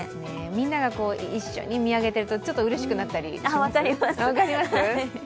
みんなが一緒に見上げていると、ちょっとうれしくなったりしますね。